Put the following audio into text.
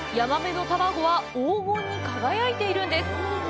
ヤマメの卵は黄金に輝いているんです！